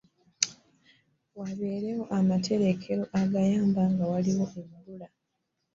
Wabeewo amaterekero agayamba nga waliwo ebbula.